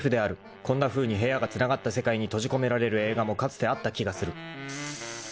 ［こんなふうに部屋がつながった世界に閉じ込められる映画もかつてあった気がする］